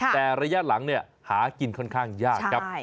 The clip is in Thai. แต่ระยะหลังหากินค่อนข้างยากครับ